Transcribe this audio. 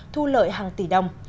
thu lợi hàng tỷ đồng